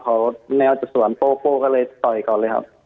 เขาแนวจากสวนโป้โป้ก็เลยต่อยก่อนเลยครับ